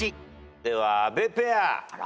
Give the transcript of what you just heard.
では阿部ペア。